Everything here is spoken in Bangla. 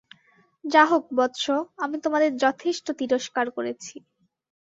যা হোক, বৎস, আমি তোমাদের যথেষ্ট তিরস্কার করেছি।